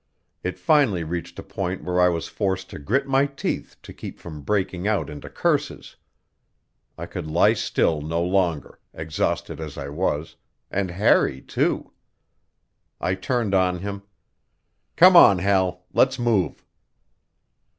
It finally reached a point where I was forced to grit my teeth to keep from breaking out into curses; I could lie still no longer, exhausted as I was, and Harry, too. I turned on him: "Come on, Hal; let's move."